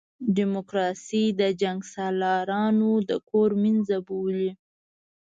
ډیموکراسي د جنګسالارانو د کور مېنځه بولي.